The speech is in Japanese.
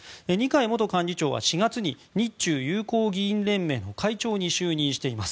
二階元幹事長は４月に日中友好議員連盟の会長に就任しています。